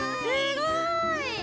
すごい！